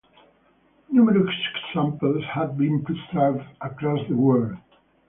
Numerous examples have been preserved across the world.